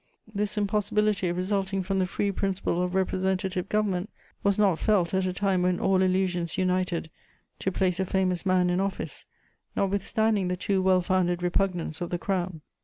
This impossibility resulting from the free principle of representative government was not felt at a time when all illusions united to place a famous man in office, notwithstanding the too well founded repugnance of the Crown.